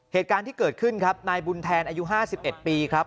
เหตุการณ์ที่เกิดขึ้นครับนายบุญแทนอายุ๕๑ปีครับ